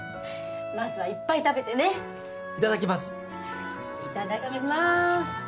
まずはいっぱい食べてねいただきますいただきます